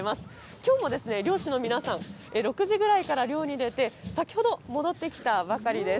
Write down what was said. きょうも漁師の皆さん、６時ぐらいから漁に出て、先ほど戻ってきたばかりです。